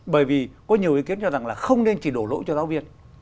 bởi vì có nhiều ý kiến cho rằng là không nên chỉ đổ lỗi cho giáo viên